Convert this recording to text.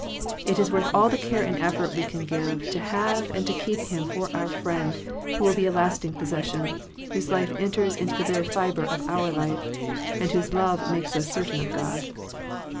It is worth all the care and effort we can give, to have and to keep Him for our friend who will be a lasting possession, whose life enters into the very fibre of our life, and whose love makes us certain of God.